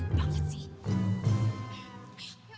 tuh mana kadang dia dewa